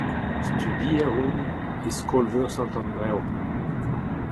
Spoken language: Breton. Studier on e skol-veur Sant Andrev.